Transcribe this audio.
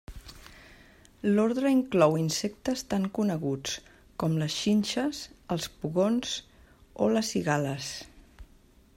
L'ordre inclou insectes tan coneguts com les xinxes, els pugons o les cigales.